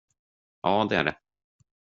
Ja, det är det.